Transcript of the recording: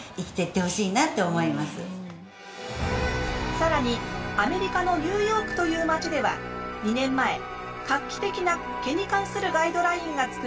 更にアメリカのニューヨークという街では２年前画期的な毛に関するガイドラインが作られた。